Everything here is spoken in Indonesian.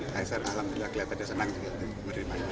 kaisar alhamdulillah kelihatannya senang juga menerimanya